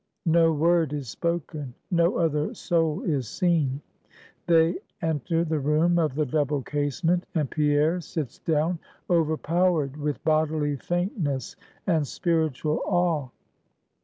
No word is spoken; no other soul is seen. They enter the room of the double casement; and Pierre sits down, overpowered with bodily faintness and spiritual awe.